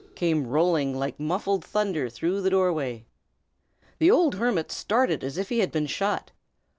came rolling like muffled thunder through the doorway. The old hermit started as if he had been shot.